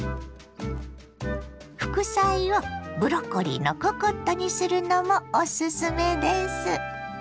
副菜をブロッコリーのココットにするのもおすすめです。